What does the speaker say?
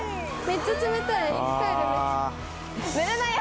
めっちゃ冷たい！